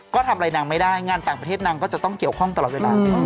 ก็ทำอะไรนางไม่ได้งานต่างประเทศนางก็จะต้องเกี่ยวข้องตลอดเวลา